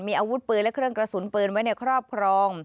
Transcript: มีอาวุธปืนและเครื่องกระสุนปืนไว้ในครอบครอง